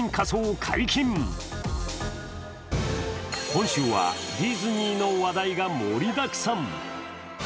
今週はディズニーの話題が盛りだくさん。